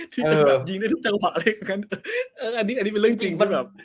ที่จะแบบยิงในทุกจังหวะอะไรแบบนั้นอันนี้เป็นเรื่องจริง